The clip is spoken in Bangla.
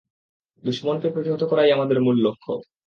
দুশমনকে প্রতিহত করাই আমাদের মূল লক্ষ্য।